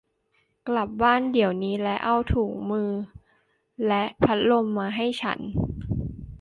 กลับบ้านเดี๋ยวนี้และเอาถุงมือและพัดลมมาให้ฉัน